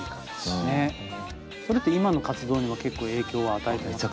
それって今の活動にも結構影響は与えていますか？